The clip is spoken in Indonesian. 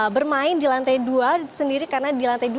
bermain di lantai dua sendiri karena di lantai dua